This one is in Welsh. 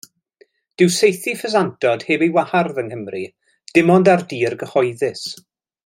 Dyw saethu ffesantod heb ei wahardd yng Nghymru, dim ond ar dir cyhoeddus.